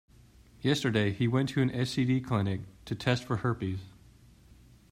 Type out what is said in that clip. Yesterday, he went to an STD clinic to test for herpes.